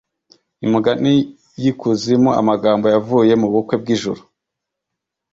Imigani y'Ikuzimu Amagambo yavuye mu bukwe bw'ijuru